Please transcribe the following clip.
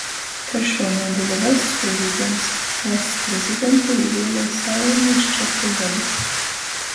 Trešuo nūdaļa. Vaļsts prezidents. Vaļsts Prezidentu īvielej Saeima iz četru godu.